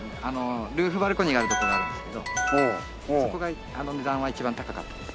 ルーフバルコニーがあるとこがあるんですけどそこが値段は一番高かったです。